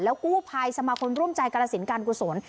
แล้วกู้ภัยสมาคมร่วมใจกับศิลป์การผู้สน